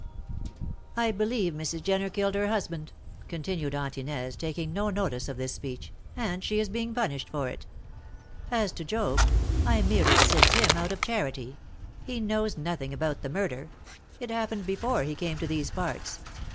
"I believe Mrs. Jenner killed her husband," continued Aunt Inez, taking no notice of this speech, "and she is being punished for it. As to Job I merely assist him out of charity; he knows nothing about the murder; it had happened before he came to these parts.